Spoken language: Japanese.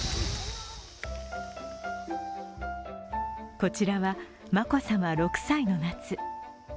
こちらは、眞子さま６歳の夏。